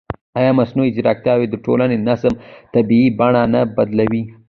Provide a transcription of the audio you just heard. ایا مصنوعي ځیرکتیا د ټولنیز نظم طبیعي بڼه نه بدلوي؟